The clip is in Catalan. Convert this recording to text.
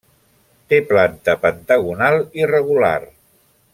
Té planta pentagonal irregular.